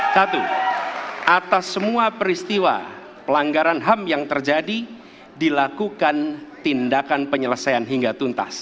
satu atas semua peristiwa pelanggaran ham yang terjadi dilakukan tindakan penyelesaian hingga tuntas